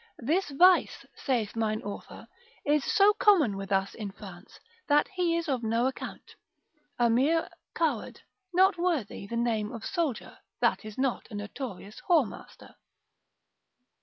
This vice ( saith mine author) is so common with us in France, that he is of no account, a mere coward, not worthy the name of a soldier, that is not a notorious whoremaster.